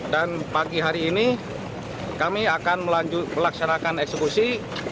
dan pagi hari ini kami akan melaksanakan eksekusi